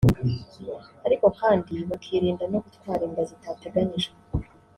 ariko kandi bakirinda no gutwara inda zitateganyijwe